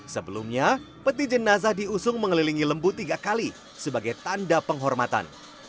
sebelumnya peti jenazah diusung mengelilingi lembu tiga kali sebagai tanda penghormatan